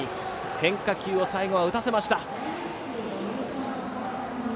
変化球を最後は打たせました。